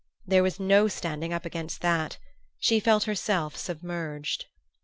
There was no standing up against that: she felt herself submerged.